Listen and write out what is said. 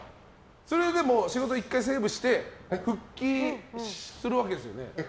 仕事１回セーブして復帰するわけですよね。